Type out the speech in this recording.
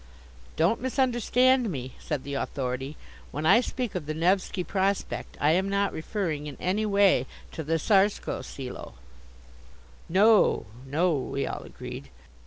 "Don't misunderstand me," said the Authority, "when I speak of the Nevski Prospekt. I am not referring in any way to the Tsarskoe Selo." "No, no," we all agreed.